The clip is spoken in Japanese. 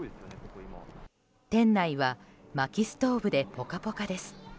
店内は、まきストーブでポカポカです。